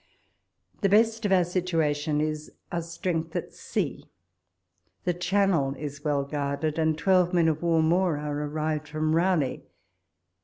The best of our situation is, our strength at sea: the Channel is well guarded, and twelve men of war more are arrived from llowley.